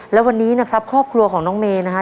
และวันนี้นะครับครอบครัวของน้องเมย์นะฮะ